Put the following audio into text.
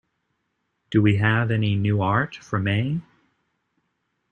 Do we have any new art for May?